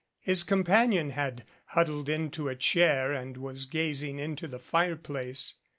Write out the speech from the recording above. His companion had huddled into a chair and was gazing into the fireplace.